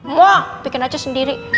mbak bikin aja sendiri